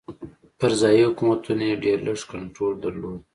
پر ځايي حکومتونو یې ډېر لږ کنټرول درلود.